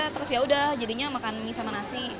terus yaudah jadinya makan mie sama nasi